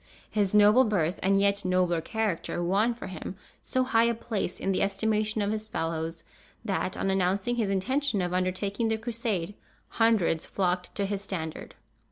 His noble birth, and yet nobler character, won for him so high a place in the estimation of his fellows, that, on announcing his intention of undertaking the Crusade, hundreds flocked to his standard.